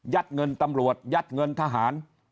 เงินตำรวจยัดเงินทหาร